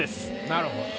なるほど。